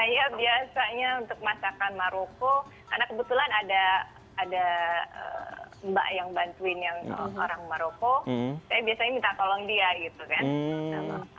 ya biasanya untuk masakan maroko karena kebetulan ada mbak yang bantuin yang orang maroko saya biasanya minta tolong dia gitu kan